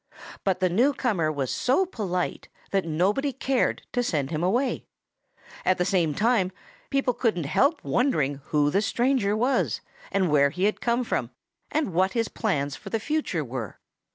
But the newcomer was so polite that nobody cared to send him away. At the same time, people couldn't help wondering who the stranger was and where he had come from and what his plans for the future were.